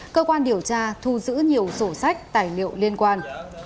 cơ quan điều tra thu giữ nhiều sổ sách tài liệu liên quan